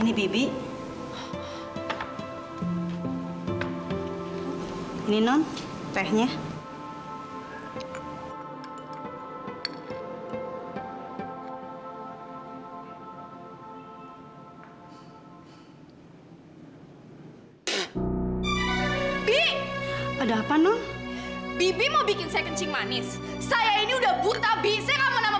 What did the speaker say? lu tuh mau masuk penjara